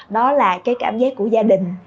đó là cái cảm giác của gia đình